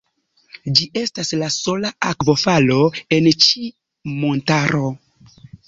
Ĝi estas la sola akvofalo en ĉi montaro.